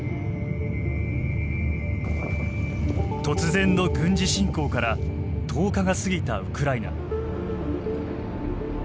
突然の軍事侵攻から１０日が過ぎたウクライナ。